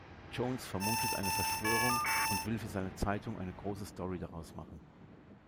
Jones vermutet eine Verschwörung und will für seine Zeitung eine große Story daraus machen.